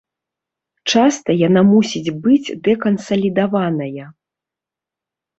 Часта яна мусіць быць дэкансалідаваная.